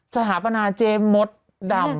สถาปรณาเจ๊มสด่ำ